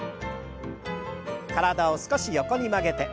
体を少し横に曲げて。